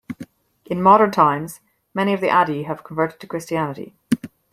In modern times many of the Adi have converted to Christianity.